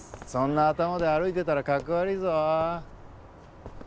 そんな頭で歩いてたらかっこ悪いぞ。